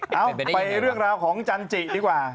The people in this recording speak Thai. ไปเรื่องราวของจันทริย์ดีกว่า